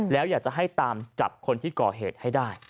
แล้วอยากจะให้ตามจับคนที่ก่อเหตุให้ได้